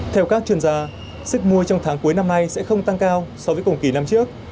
theo các chuyên gia sức mua trong tháng cuối năm nay sẽ không tăng cao so với cùng kỳ năm trước